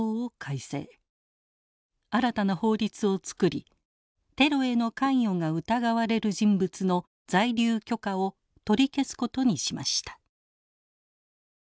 新たな法律を作りテロへの関与が疑われる人物の在留許可を取り消すことにしました。